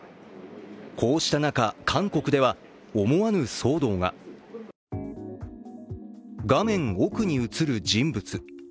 こうした中、韓国では思わぬ騒動が画面奥に映る人物。